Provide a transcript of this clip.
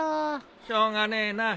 しょうがねえなあ。